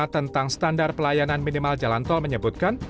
tentang standar pelayanan minimal jalan tol menyebutkan